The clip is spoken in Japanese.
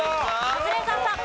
カズレーザーさん。